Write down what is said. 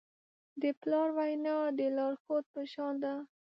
د پلار وینا د لارښود په شان ده.